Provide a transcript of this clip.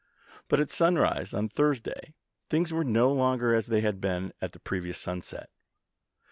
But at sunrise on Thurs day things were no longer as they had been at the previous sunset.